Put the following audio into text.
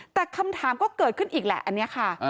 แต่คำถามก็เกิดขึ้นอีกแหละอันนี้ค่ะ